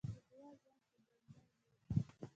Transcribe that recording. د دعا ځواک د بنده امید دی.